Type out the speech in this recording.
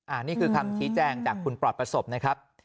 อันนี้คือคำชี้แจงจากคุณปลอดประสบนะครับ